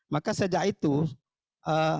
maka sejak itu bibit berserpikat ini ditempatkan